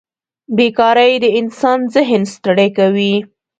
بېکارۍ د انسان ذهن ستړی کوي.